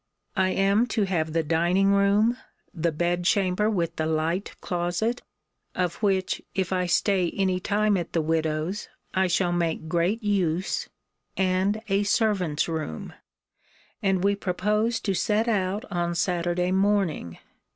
I am to have the dining room, the bed chamber with the light closet, (of which, if I stay any time at the widow's, I shall make great use,) and a servant's room; and we propose to set out on Saturday morning.